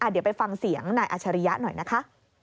เดี๋ยวไปฟังเสียงนายอัชริยะหน่อยนะคะ